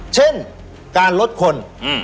เช่นการลดคน